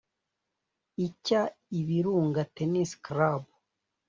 icya Ibirunga Tennis Club